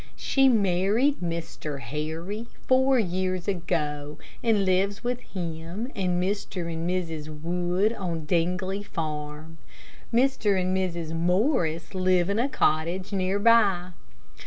She married Mr. Harry four years ago, and lives with him and Mr. and Mrs. Wood, on Dingley Farm. Mr. and Mrs. Morris live in a cottage near by.